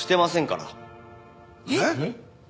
えっ？